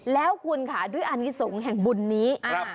แล้วคุณค่ะด้วยอนิสงฆ์แห่งบุญนี้